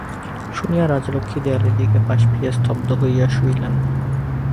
শুনিয়া রাজলক্ষ্মী দেয়ালের দিকে পাশ ফিরিয়া স্তব্ধ হইয়া শুইলেন।